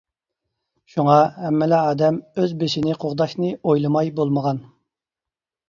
شۇڭا، ھەممىلا ئادەم ئۆز بېشىنى قوغداشنى ئويلىماي بولمىغان.